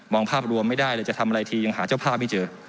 ภาพรวมไม่ได้เลยจะทำอะไรทียังหาเจ้าภาพไม่เจอ